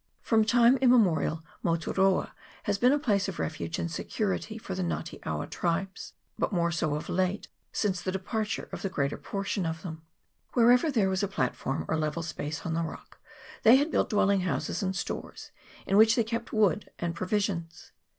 From time immemo rial Motu roa has been a place of refuge and security for the Nga te awa tribes, but more so of late; since the departure of the greater portion of them. Wher CHAP. VII.] MOTU ROA ISLAND. 165 ever there was a platform, or level space on the rock, they had built dwelling houses and stores, in which they kept wood and provisions.